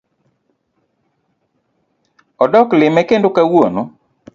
Odok lime kendo kawuono